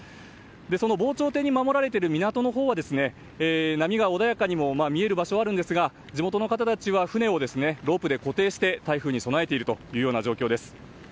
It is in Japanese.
その防潮堤に守られている港のほうは波が穏やかにも見える場所があるんですが地元の方たちは船をロープで固定して台風に備えている状況です。